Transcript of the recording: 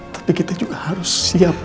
tapi kita juga harus siap